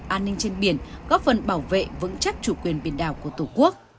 an ninh trên biển góp phần bảo vệ vững chắc chủ quyền biển đảo của tổ quốc